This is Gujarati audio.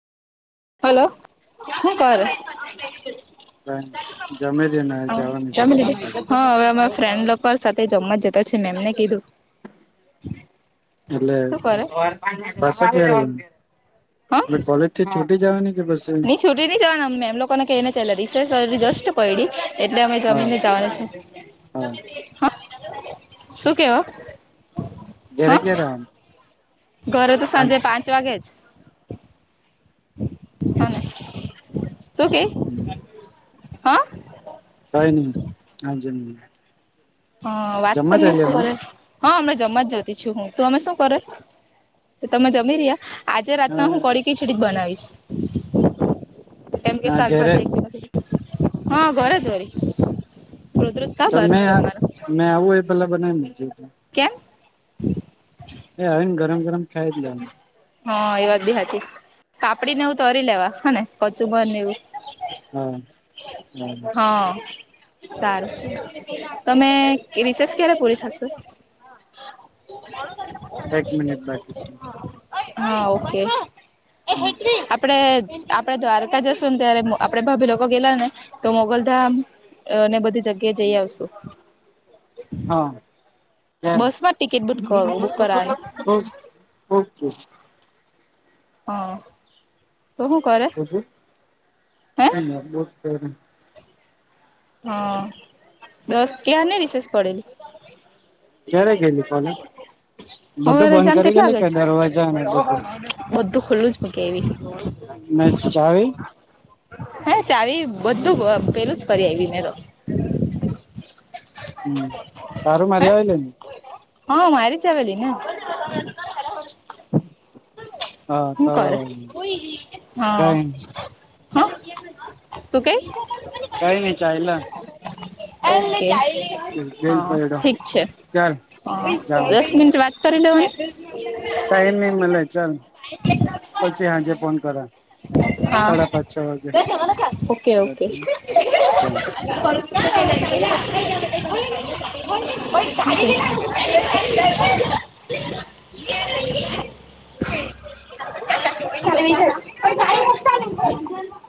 હલો હું કરે? જમે છેને હ જવાની જરૂર જમી લીધું? હ અવે અમે ફ્રેન્ડ લોક સાથે જમવા જતા છે મેં એમને કીધું. એટલે શું કરે પાસા કયા રે હા બટ કોલેજ થી છુટી જાવાની કે પછી ની છૂટી ની જવાના અમને મેમ લોકોને કેયને જવાના રિસેસ અજુ તો જસ્ટ પયડી. એટલે અમે હા જમીને જવાના છે. હા શું કેવો? જયારે હા કયારે આવાના? ઘરે તો સાંજે તા જ ચ વાગે જ હ ને શું કેય? હમ્મ. કઈ નહીં હાજનુ હ વાત કરને શું કરે? હ મેં જમવા જ જતી છું હું તમે શું કરે, તમે જમી રહ્યા? આજે રાતમાં હું કઢી હા ખીચડી જ બનાવીશ કેમ કે ઘેરે શાકભાજી એક બી હા ઘરે જ વળી રોજ રોજ કા બારનુ જમવાનું? મે આવું એ પેલા બનાઈ મૂકજે. કેમ? મેં આવીન ગરમ ગરમ ખાઈ જ લેમ. હા એ વાત બી હાચી પાપડી ને એવું તરી લેવા હને કચુંબર ને એવું. હા હા. હ સારું તમે રીસેસ ક્યારે પૂરી થશે? મોડું [inaudible] એક મિનિટ બાકી છે. હા ઓકે. પડે આપડે દ્વારકા જશું ને ત્યારે આપડે ભાભી લોકો ગેલા ને તો મોગલ ધામ ને બધી જગ્યાએ જઈ આવશું. હ બસ માં ટિકિટ બુક કરો બુક કરાવવાની ને [unintelligible] હ તો હું કરે? મે હે નોટિસ કર્યું. હ દસ કયારની રિસેસ પડેલી. ક્યારે ગયેલી કોલેજ [inaudible] બધું હવારે બંધ જામ કરી તેટલા ગયેલી વાગે કે જ દરવાજા ને બધું બધું ખુલ્લું જ મૂકે એવી. મેં ચાવી? હે ચાવી બધું અ પેલું જ કર આયવી મેં તો. હમ્મ, તારું માર્યા હે વેલી ને? હા મારી જ આવેલી. હા હું તારું કરે આવેલું. હા. કઈ હ શું કેય? [inaudible] કઈ નઈ ચાયલા અ બેલ પડ્યો ઠીક છે ચાલ હ જાઉં દસ છું મિનિટ વાત કરી લેવોની. ટાઈમ નહી મળે ચલ પછી આજે ફોન કરા. હા સાડા પાંચ છ વાગે ઓકે ઓકે. ચાલ કો [inaudible] [inaudible] હ [inaudible] ખ વિ છે પણા વસ્ [inaudible]